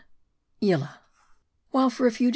YILLAH. WHILE for a few.